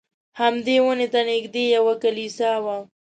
همدې ونې ته نږدې یوه کلیسا وه.